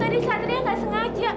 tadi satria nggak sengaja